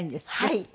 はい。